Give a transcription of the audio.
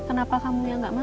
kenapa kamu yang gak mau